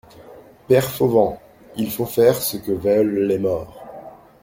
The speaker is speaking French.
Père Fauvent, il faut faire ce que veulent les morts.